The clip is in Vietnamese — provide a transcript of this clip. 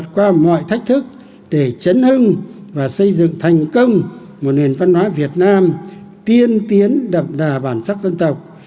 qua mọi thách thức để chấn hương và xây dựng thành công một nền văn hóa việt nam tiên tiến đậm đà bản sắc dân tộc